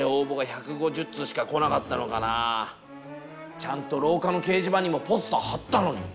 ちゃんとろうかの掲示板にもポスター貼ったのに！